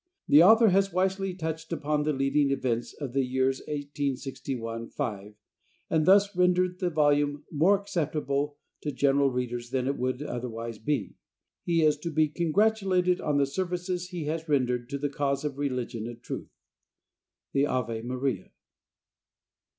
The author has wisely touched upon the leading events of the years 1861 5, and thus rendered the volume more acceptable to general readers than it would otherwise be. He is to be congratulated on the services he has rendered to the cause of religion and truth. The Ave Maria.